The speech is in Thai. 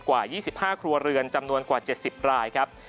กว่า๒๕ครัวเรือนจำนวนกว่า๗๐รายครับ